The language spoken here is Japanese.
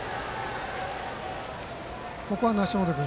ここは梨本君